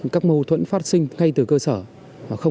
các mâu thuẫn phát sinh ngay từ cơ sở